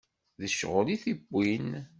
D ccɣel i t-yewwin.